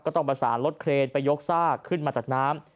ต้องประสานรถเครนไปยกซากขึ้นมาจากน้ำ